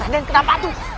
dan kenapa itu